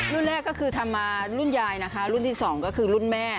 แรกก็คือทำมารุ่นยายนะคะรุ่นที่สองก็คือรุ่นแม่